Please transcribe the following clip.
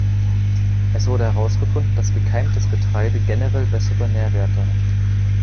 Es wurde herausgefunden, dass gekeimtes Getreide generell bessere Nährwerte hat.